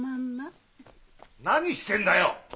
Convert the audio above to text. ・何してんだよ！